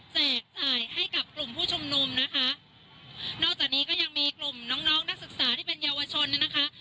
จ่ายให้กับกลุ่มผู้ชุมนุมนะคะนอกจากนี้ก็ยังมีกลุ่มน้องน้องนักศึกษาที่เป็นเยาวชนนะคะ